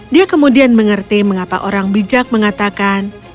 dia kemudian mengerti mengapa orang bijak mengatakan